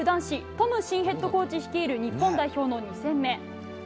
トム新ヘッドコーチ率いる日本代表の２戦目。